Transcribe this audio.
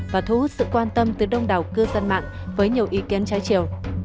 và thu hút sự quan tâm từ đông đảo cư dân mạng với nhiều ý kiến trái chiều